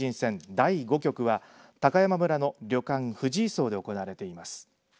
第５局は高山村の旅館藤井荘で行われています。